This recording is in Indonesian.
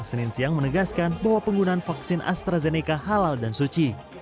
senin siang menegaskan bahwa penggunaan vaksin astrazeneca halal dan suci